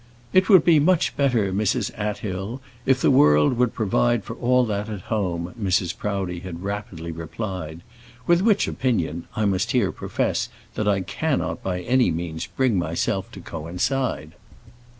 "It would be much better, Mrs. Athill, if the world would provide for all that at home," Mrs. Proudie had rapidly replied; with which opinion I must here profess that I cannot by any means bring myself to coincide.